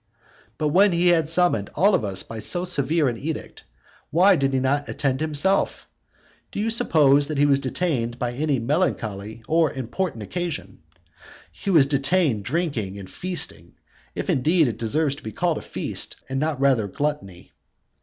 But when he had summoned us all by so severe an edict, why did he not attend himself? Do you suppose that he was detained by any melancholy or important occasion? He was detained drinking and feasting. If, indeed, it deserves to be called a feast, and not rather gluttony.